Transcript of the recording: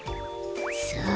さあ。